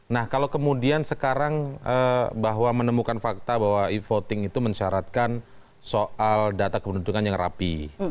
nah kalau kemudian sekarang bahwa menemukan fakta bahwa e voting itu mensyaratkan soal data keberuntungan yang rapi